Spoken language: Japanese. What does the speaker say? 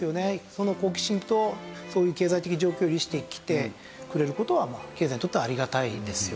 その好奇心とそういう経済的状況を利して来てくれる事は経済にとってはありがたいですよね。